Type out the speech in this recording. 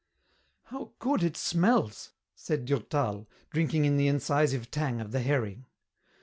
"How good it smells!" said Durtal, drinking in the incisive tang of the herring.